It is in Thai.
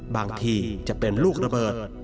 บางทีจะเป็นลูกระเบิด